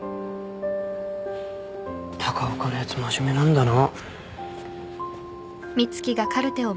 高岡のやつ真面目なんだな。